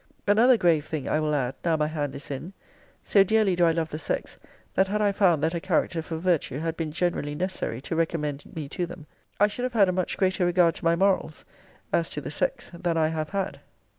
Another grave thing I will add, now my hand is in: 'So dearly do I love the sex, that had I found that a character for virtue had been generally necessary to recommend me to them, I should have had a much greater regard to my morals, as to the sex, than I have had.'